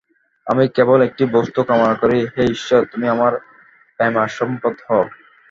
আমি কেবল একটি বস্তু কামনা করি হে ঈশ্বর, তুমি আমার প্রেমাস্পদ হও।